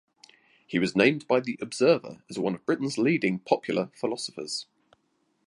He was named by "The Observer" as one of Britain’s leading popular philosophers.